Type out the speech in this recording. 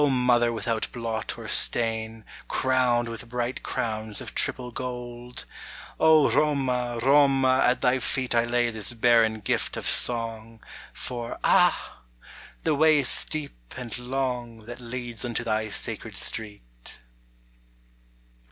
Mother without blot or stain, Crowned with bright crowns of triple gold ! O Roma, Roma, at thy feet 1 lay this barren gift of song ! For, ah ! the way is steep and long That leads unto thy sacred street.